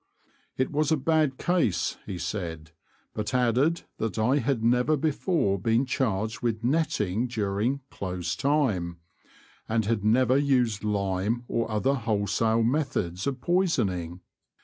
It was a bad case he said, but added that I had never before been charged with netting during '' close time," and had never used lime or other wholesale methods of pois oning.